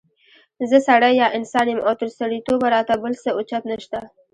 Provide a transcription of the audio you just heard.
زه سړی یا انسان يم او تر سړیتوبه را ته بل څه اوچت نشته